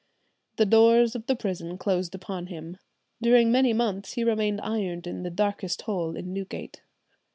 "The doors of the prison closed upon him. During many months he remained ironed in the darkest hole in Newgate."